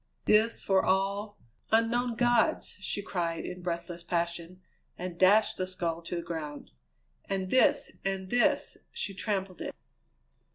"This for all Unknown Gods!" she cried in breathless passion, and dashed the skull to the ground. "And this! and this!" She trampled it.